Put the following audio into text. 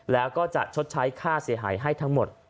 แล้วก็จะชดใช้ค่าเสียหายให้ทั้งหมด